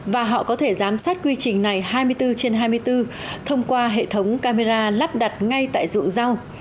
và họ có thể giám sát quy trình này hai mươi bốn trên hai mươi bốn thông qua hệ thống camera lắp đặt ngay tại ruộng rau